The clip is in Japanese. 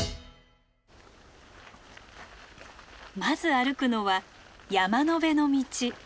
まず歩くのは山の辺の道。